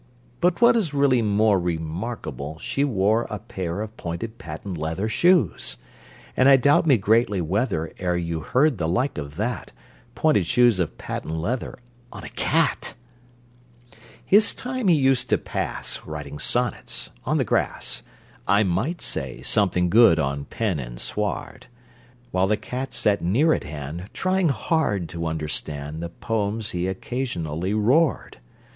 But what is really more Remarkable, she wore A pair of pointed patent leather shoes. And I doubt me greatly whether E'er you heard the like of that: Pointed shoes of patent leather On a cat! His time he used to pass Writing sonnets, on the grass (I might say something good on pen and sward!) While the cat sat near at hand, Trying hard to understand The poems he occasionally roared.